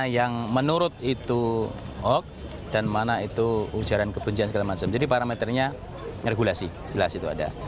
yang menurut itu hoax dan mana itu ujaran kebencian segala macam jadi parameternya regulasi jelas itu ada